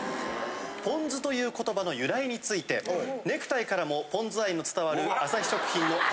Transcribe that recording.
ポン酢という言葉の由来についてネクタイからもポン酢愛の伝わる。